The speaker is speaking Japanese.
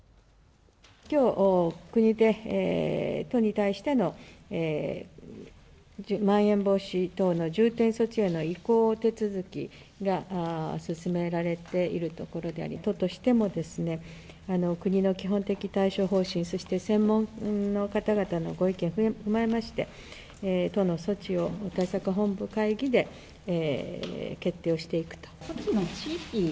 きょう、国で都に対してのまん延防止等の重点措置への移行手続きが進められているところであり、都としても国の基本的対処方針、そして専門の方々のご意見踏まえまして、都の措置を対策本部会議で決定をしていくと。